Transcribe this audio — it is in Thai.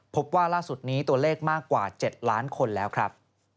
พบว่าล่าสุดนี้ตัวเลขมากกว่า๗ล้านคนแล้วครับ